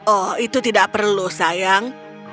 oh itu tidak perlu sayang